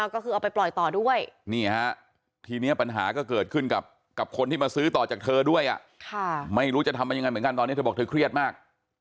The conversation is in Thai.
ก็คือเอาไปปล่อยต่อด้วยนี่ฮะทีนี้ปัญหาก็เกิดขึ้นกับคนที่มาซื้อต่อจากเธอด้วยไม่รู้จะทำยังไงเหมือนกันตอนนี้เธอบอกเธอเครียดมาก